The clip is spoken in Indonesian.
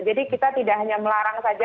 jadi kita tidak hanya melarang saja